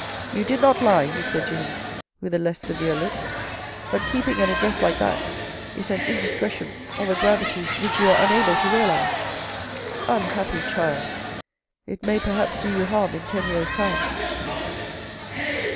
" You did not lie," he said to him, with a less severe look, " but keeping an address like that is an indiscretion of a gravity which you are unable to realise. Unhappy child ! It may perhaps do you harm in ten years' time."